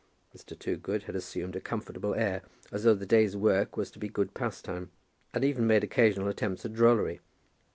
Mr. Toogood had assumed a comfortable air, as though the day's work was to be good pastime, and even made occasional attempts at drollery.